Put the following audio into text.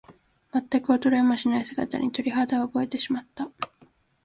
まったく衰えもしない姿に、鳥肌を覚えてしまった。